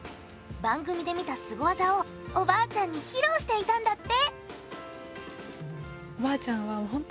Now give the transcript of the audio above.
番組で見たスゴ技をおばあちゃんに披露していたんだって！